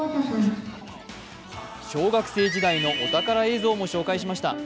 小学生時代のお宝映像も紹介しました。